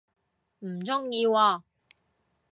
唔鍾意喎